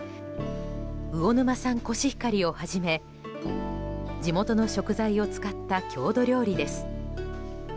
魚沼産コシヒカリをはじめ地元の食材を使った郷土料理です。